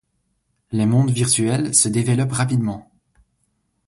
Les mondes virtuels se développent rapidement.